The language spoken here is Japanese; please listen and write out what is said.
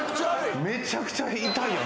めちゃくちゃ痛いの。